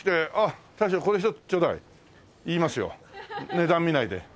値段見ないで。